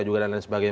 dan lain sebagainya